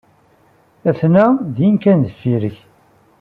Aten-a din kan deffir-k.